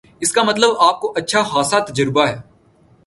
اس کا مطلب آپ کو اچھا خاصا تجربہ ہے